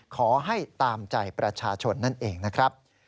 ขอให้ตามใจประชาชนนั่นเองนะครับ